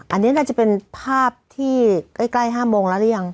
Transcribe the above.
อันนี้น่าจะเป็นภาพที่ใกล้๕โมงแล้วหรือยัง